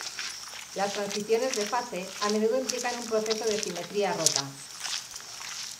Las transiciones de fase a menudo implican un proceso de simetría rota.